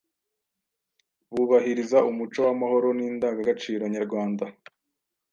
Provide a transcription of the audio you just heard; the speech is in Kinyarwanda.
bubahiriza umuco w’amahoro n’indangagaciro nyarwanda.